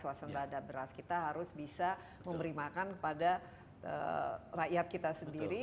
suasana beras kita harus bisa memberi makan kepada rakyat kita sendiri